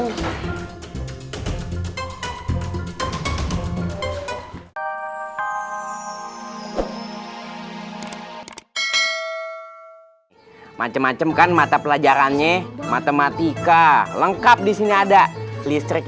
hai macam macam kan mata pelajarannya matematika lengkap di sini ada listrik